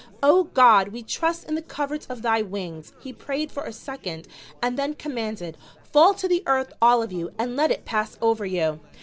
"Oh, God, we trust in the covert of thy wings," he prayed for a second and then commanded: "Fall to the earth, all of you, and let it pass over you!"